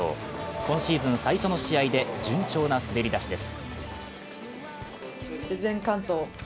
今シーズン最初の試合で順調な滑り出しです。